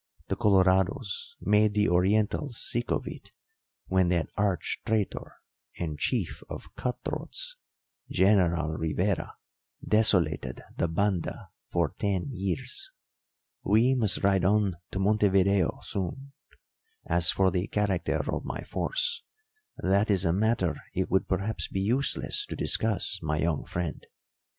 The Colorados made the Orientals sick of it, when that arch traitor and chief of cut throats, General Rivera, desolated the Banda for ten years. We must ride on to Montevideo soon. As for the character of my force, that is a matter it would perhaps be useless to discuss, my young friend.